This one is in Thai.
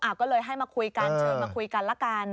ก็เลยให้มาคุยกันเชิญมาคุยกันละกัน